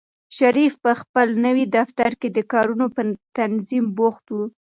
شریف په خپل نوي دفتر کې د کارونو په تنظیم بوخت و.